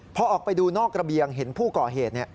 พอออกไปดูนอกระเบียงเห็นผู้ก่อเหตุ